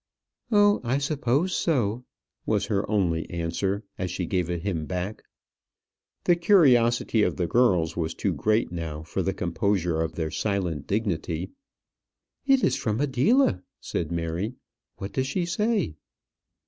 "Oh! I suppose so," was her only answer, as she gave it him back. The curiosity of the girls was too great now for the composure of their silent dignity. "It is from Adela," said Mary; "what does she say?"